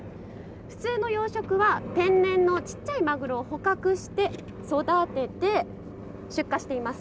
普通の養殖は天然のちっちゃいマグロを捕獲して育てて出荷しています。